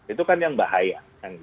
itu kan yang bahaya